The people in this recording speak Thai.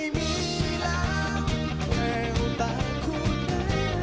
ไม่มีแล้วแค่ว่าตาคุณนะ